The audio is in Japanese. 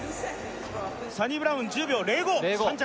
サニブラウン１０秒０５３着